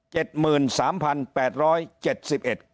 หมื่นสามพันแปดร้อยเจ็ดสิบเอ็ด